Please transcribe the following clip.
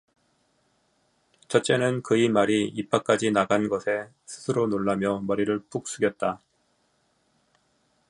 첫째는 그의 말이 입 밖에까지 나간 것에 스스로 놀라며 머리를 푹 숙였다.